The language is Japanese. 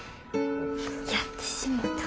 やってしもた。